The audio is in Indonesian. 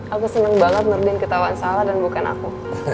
aku senang banget nurdin ketawa salah dan bukan aku